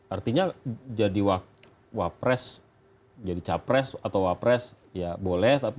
artinya jadi wapres jadi capres atau wapres ya boleh tapi